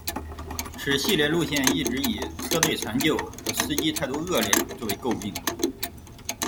此系列路线一直以车队残旧和司机态度恶劣作为垢病。